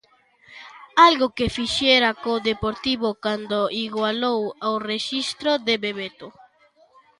Algo que fixera co Deportivo cando igualou o rexistro de Bebeto.